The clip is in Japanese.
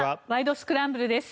スクランブル」です。